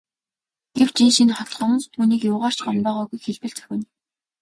Гэвч энэ шинэ хотхон түүнийг юугаар ч гомдоогоогүйг хэлбэл зохино.